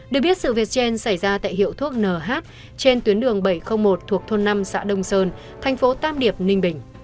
được biết sự việc trên xảy ra tại hiệu thuốc nh trên tuyến đường bảy trăm linh một thuộc thôn năm xã đông sơn thành phố tam điệp ninh bình